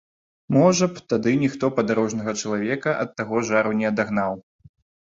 Можа б, тады ніхто падарожнага чалавека ад таго жару не адагнаў.